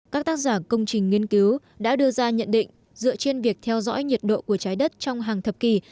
các tác giả công trình nghiên cứu đã đưa ra nhận định dựa trên việc theo dõi nhiệt độ của trái đất trong hàng thập kỷ